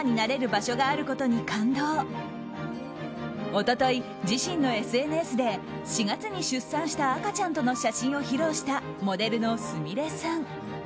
一昨日、自身のＳＮＳで４月に出産した赤ちゃんとの写真を披露したモデルのすみれさん。